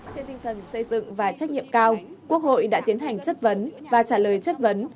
trên tinh thần xây dựng và trách nhiệm cao quốc hội đã tiến hành chất vấn và trả lời chất vấn